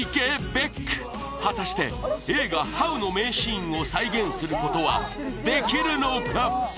ベック果たして映画「ハウ」の名シーンを再現することはできるのか？